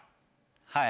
はい。